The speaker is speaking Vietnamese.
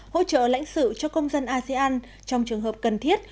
hỗ trợ lãnh sự cho công dân asean trong trường hợp cần thiết